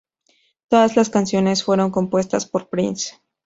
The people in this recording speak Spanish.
Todas las canciones fueron compuestas por Prince.